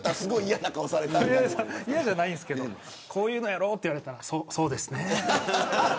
嫌じゃないですけどこういうのやろと言われたら、そうですね。